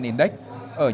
ở những nhịp ngắn